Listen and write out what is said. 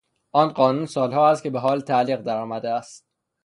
آن قانون سالها است که به حال تعلیق در آمده است.